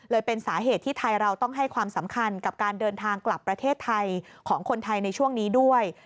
เป็นสาเหตุที่ไทยเราต้องให้ความสำคัญกับการเดินทางกลับประเทศไทยของคนไทยในช่วงนี้ด้วย